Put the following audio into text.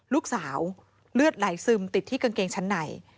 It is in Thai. ลูกสาวเลือดไหลซึมติดที่กางเกงชั้นใน